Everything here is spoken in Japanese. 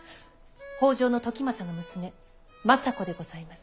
北条時政の娘政子でございます。